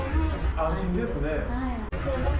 安心です。